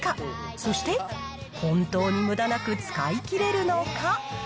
そして本当にむだなく使いきれるのか。